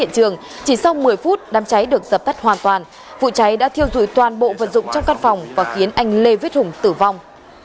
trong một mươi phút đám cháy được dập tắt hoàn toàn vụ cháy đã thiêu dùi toàn bộ vật dụng trong căn phòng và khiến anh lê viết hùng tử vong